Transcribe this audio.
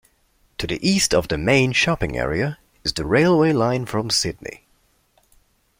To the east of the main shopping area is the railway line from Sydney.